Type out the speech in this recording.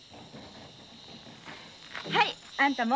はいあんたも。